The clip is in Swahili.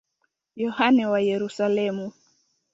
Yohane wa Yerusalemu.